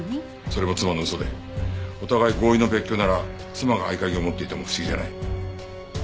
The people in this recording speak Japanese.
それも妻の嘘でお互い合意の別居なら妻が合鍵を持っていても不思議じゃない。